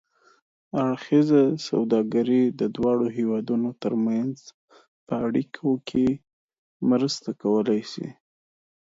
اړخیزه سوداګري د دواړو هېوادونو ترمنځ په اړیکو کې مرسته کولای شي.